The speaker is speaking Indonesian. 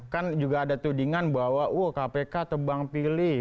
kan juga ada tudingan bahwa kpk tebang pilih